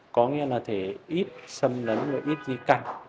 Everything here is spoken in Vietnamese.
có nghĩa là thể ít sâm nấn và ít di căn